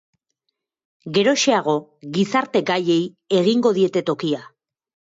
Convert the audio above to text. Geroxeago, gizarte gaiei egingo diete tokia.